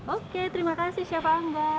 oke terima kasih chef amba